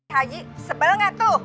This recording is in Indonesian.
haji sebel gak tuh